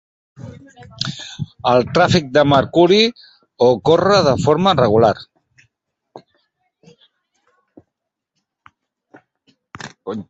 El tràfic de mercuri ocorre de forma regular.